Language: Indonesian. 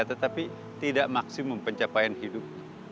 tetapi tidak maksimum pencapaian hidup